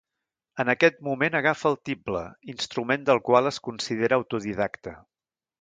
En aquest moment agafa el tible, instrument del qual es considera autodidacte.